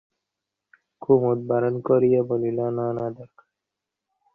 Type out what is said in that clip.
কুমুদ বারণ করিয়া বলিল, না না, দরকার নেই।